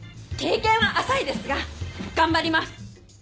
経験は浅いですが頑張ります！